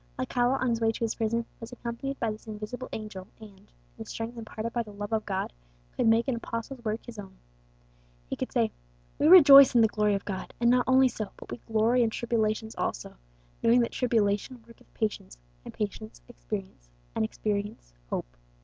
Alcala, on his way to his prison, was accompanied by this invisible angel, and, in the strength imparted by the love of God, could make an apostle's words his own. He could say, "_We rejoice in the glory of God. And not only so, but we glory in tribulations also: knowing that tribulation worketh patience; and patience, experience; and experience, hope.